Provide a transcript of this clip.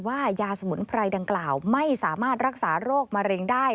ยาสมุนไพรดังกล่าวไม่สามารถรักษาโรคมะเร็งได้